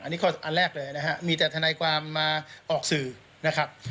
อันนี้ข้ออันแรกเลยนะฮะมีแต่ทนายความมาออกสื่อนะครับ